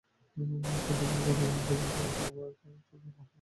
সন্দীপের প্রণাম যখন পেলুম আমার চুরি তখন মহিমান্বিত হয়ে উঠল।